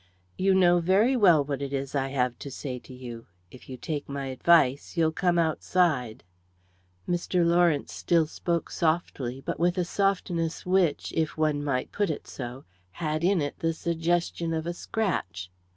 "You know very well what it is I have to say to you. If you take my advice, you'll come outside." Mr. Lawrence still spoke softly, but with a softness which, if one might put it so, had in it the suggestion of a scratch.